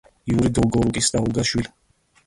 იური დოლგორუკის და ოლგას შვილი.